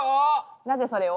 なぜそれを？